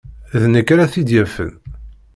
D nekk ara t-id-yafen.